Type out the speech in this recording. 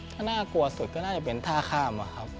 ถ้าน่ากลัวสุดก็น่าจะเป็นท่าข้ามอะครับ